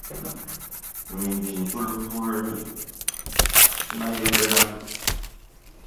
Mindi nzul purűer ri tsina ye be na.